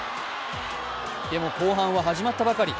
でも後半は始まったばかり。